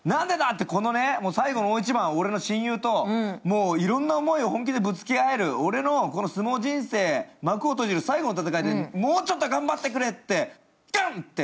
って最後の大一番、俺の親友ともういろんな思いを本気でぶつけ合える、俺の相撲人生、幕を閉じる最後の戦いでもうちょっと頑張ってくれって、ゴンって